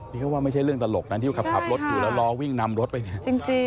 นี่เขาว่าไม่ใช่เรื่องตลกนะที่เขาขับรถอยู่แล้วรอวิ่งนำรถไปเนี่ยจริง